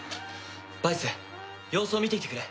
バイス様子を見てきてくれ。